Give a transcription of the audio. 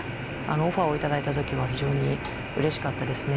オファーを頂いた時は非常にうれしかったですね。